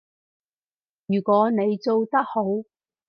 如果你做得好